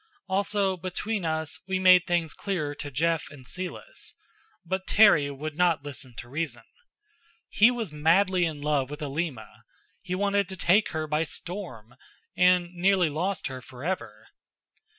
Also, between us, we made things clearer to Jeff and Celis. But Terry would not listen to reason. He was madly in love with Alima. He wanted to take her by storm, and nearly lost her forever.